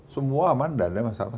semua aman tidak ada masalah